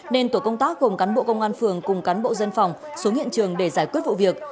nên tổ công tác gồm cán bộ công an phường cùng cán bộ dân phòng xuống hiện trường để giải quyết vụ việc